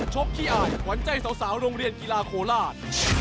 หวันใจสาวโรงเรียนกีฬาโคลาส